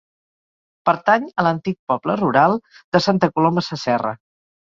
Pertany a l'antic poble rural de Santa Coloma Sasserra.